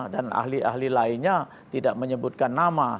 dan ahli ahli lainnya